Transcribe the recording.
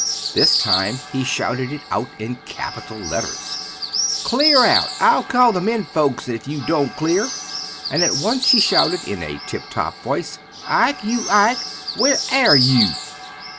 This time he shouted it out in capital letters! "Clear out! I'll call the men folks ef you don't clear;" and at once she shouted, in a tip top voice, "Ike, you Ike, where air you?"